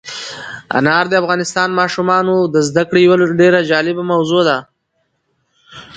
انار د افغان ماشومانو د زده کړې یوه ډېره جالبه موضوع ده.